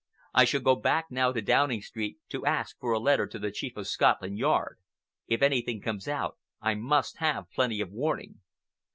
I shall go back now to Downing Street to ask for a letter to the Chief of Scotland Yard. If anything comes out, I must have plenty of warning."